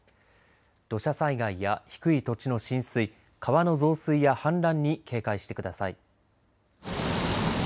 土砂災害や低い土地の浸水川の増水や氾濫に警戒してください。